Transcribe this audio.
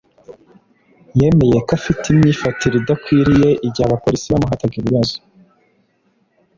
yemeye ko afite imyifatire idakwiye igihe abapolisi bamuhataga ibibazo